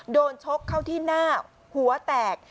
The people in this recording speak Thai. ชกเข้าที่หน้าหัวแตก